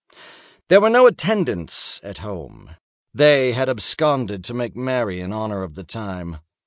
There were no attendants at home; they had absconded to make merry in honor of the time.